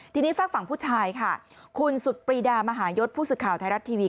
ทีนี้ฝากฝั่งผู้ชายค่ะคุณสุดปรีดามหายศผู้สื่อข่าวไทยรัฐทีวี